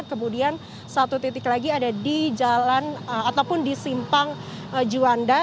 kemudian satu titik lagi ada di jalan ataupun di simpang juanda